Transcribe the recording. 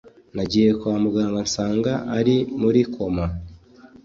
nagiye kwa muganga nsanga ari muri koma